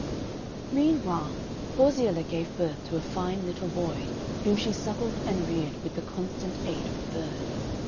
Meanwhile Porziella gave birth to a fine little boy, whom she suckled and reared with the constant aid of the bird.